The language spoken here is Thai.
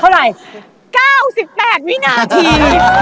เท่าไหร่๙๘วินาที